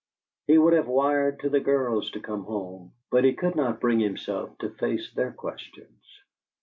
He would have wired to the girls to come home, but he could not bring himself to face their questions.